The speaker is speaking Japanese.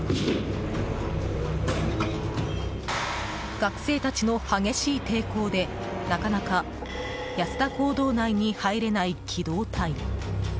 学生たちの激しい抵抗でなかなか安田講堂内に入れない機動隊。